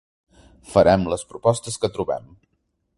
Farem les propostes que trobem.